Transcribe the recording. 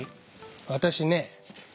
私ね